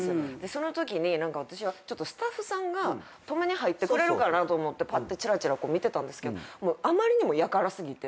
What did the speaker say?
そのときに私はスタッフさんが止めに入ってくれるかなと思ってパってちらちら見てたんですけどあまりにもやから過ぎて。